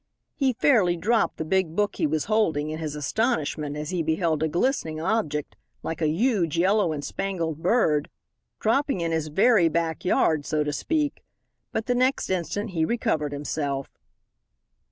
He fairly dropped the big book he was holding, in his astonishment as he beheld a glistening object, like a huge yellow and spangled bird, dropping in his very back yard, so to speak. But the next instant he recovered himself.